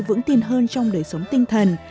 vững tin hơn trong đời sống tinh thần